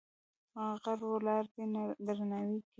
غر ولاړ دی درناوی کې.